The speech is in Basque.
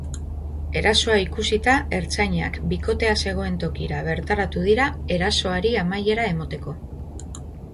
Erasoa ikusita, ertzainak bikotea zegoen tokira bertaratu dira erasoari amaiera emateko.